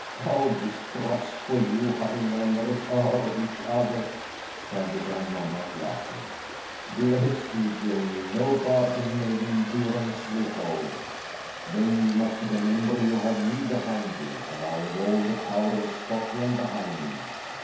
"How distrustful you Highlanders are of each other!" cried the young monarch laughing. "Bless me, Jamie, no bargain made in durance will hold; then you must remember you have me behind you, and I have all the power in Scotland behind me."